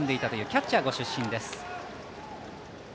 キャッチャーご出身です。